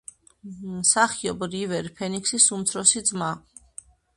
მსახიობ რივერ ფენიქსის უმცროსი ძმა.